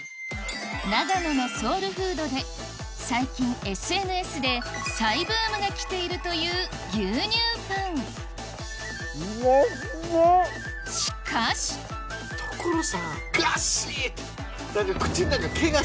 長野のソウルフードで最近ＳＮＳで再ブームが来ているという牛乳パンしかし所さんガシッ。